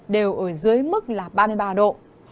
đều ở dưới mức là ba mươi ba độ